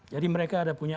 jadi mereka ada punya